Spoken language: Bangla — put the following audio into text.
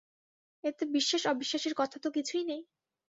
এতে বিশ্বাসঅবিশ্বাসের কথা তো কিছুই নেই।